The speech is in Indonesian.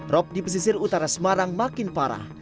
rob di pesisir utara semarang makin parah